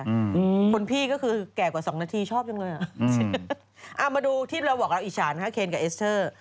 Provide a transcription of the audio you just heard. อือคนพี่ก็คือแก่กว่าสองนาทีชอบจังเลย